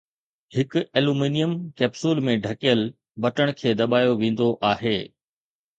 هڪ aluminium capsule ۾ ڍڪيل، بٽڻ کي دٻايو ويندو آهي